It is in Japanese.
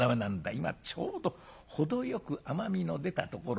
今ちょうど程よく甘みの出たところ。